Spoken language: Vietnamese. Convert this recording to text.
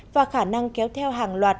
và khả năng kéo theo hàng loạt